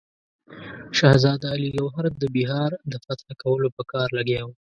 شهزاده علي ګوهر د بیهار د فتح کولو په کار لګیا وو.